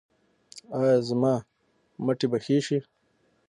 ایا زما مټې به ښې شي؟